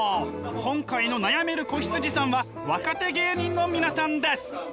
今回の悩める子羊さんは若手芸人の皆さんです！